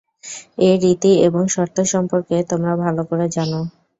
এ রীতি এবং শর্ত সম্পর্কে তোমরা ভাল করে জান।